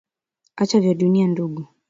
Acha vya dunia ndugu.